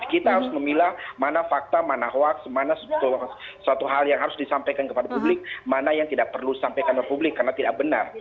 kita harus memilah mana fakta mana hoaks mana suatu hal yang harus disampaikan kepada publik mana yang tidak perlu disampaikan ke publik karena tidak benar